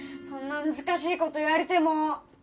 そんな難しい事言われても！